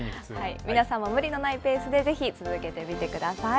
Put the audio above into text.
皆さんも無理のないペースでぜひ続けてみてください。